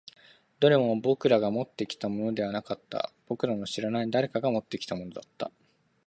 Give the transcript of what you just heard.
どれも僕らがもってきたものではなかった。僕らの知らない誰かが持ってきたものだった。